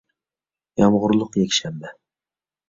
يامغۇرلۇق يەكشەنبە